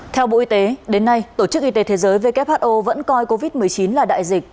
theo bộ y tế đến nay tổ chức y tế thế giới who vẫn coi covid một mươi chín là đại dịch